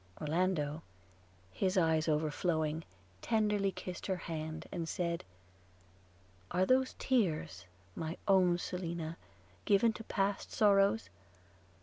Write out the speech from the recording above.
Orlando, his eyes overflowing, tenderly kissed her hand, and said – 'Are those tears, my own Selina, given to past sorrows?